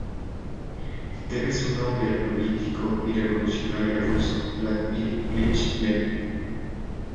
Debe su nombre al político y revolucionario ruso Vladímir Ilich Lenin.